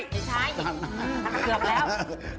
ไม่ใช่